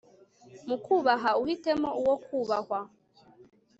Mu kubaha uhitemo uwo kubahwa